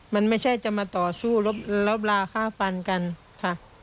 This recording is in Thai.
มันไม่ใช่จะมาต่อสู้ลบลาค่าฟันกันค่ะ